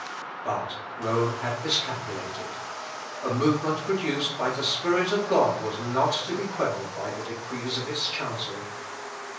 But Rome had miscalculated; a movement produced by the Spirit of God was not to be quelled by the decrees of its chancery.